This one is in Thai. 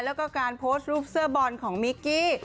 แล้วก็การโพสต์รูปเสื้อบอลของมิกกี้